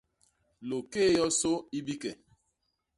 Lôgkéé yosô i bike.